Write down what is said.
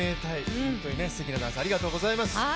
すてきなダンスありがとうございます。